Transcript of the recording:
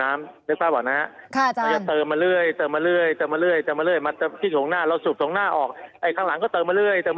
แม่งแม่งครับ